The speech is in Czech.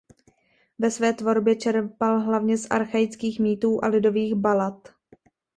Ve své tvorbě čerpal hlavně z archaických mýtů a lidových balad.